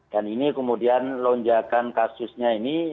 dan ini kemudian lonjakan kasusnya ini